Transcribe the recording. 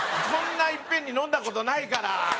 こんないっぺんに飲んだ事ないから。